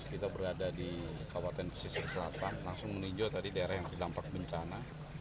kita berada di kabupaten pesisir selatan langsung meninjau tadi daerah yang terdampak bencana